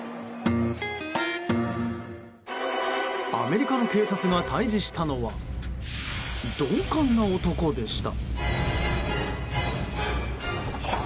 アメリカの警察が対峙したのは鈍感な男でした。